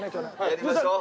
やりましょう。